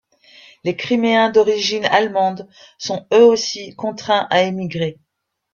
Les criméens d’origine allemande sont eux-aussi contraints à émigrer.